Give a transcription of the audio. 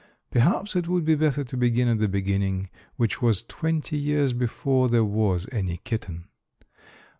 Perhaps it would be better to begin at the beginning which was twenty years before there was any kitten.